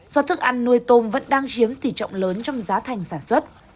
do thức ăn nuôi tôm vẫn đang chiếm tỷ trọng lớn trong giá thành sản xuất